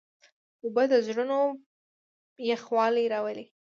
اوبه د زړونو یخوالی راولي.